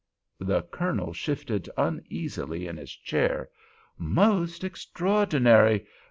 The Colonel shifted uneasily in his chair. "Most extraordinary!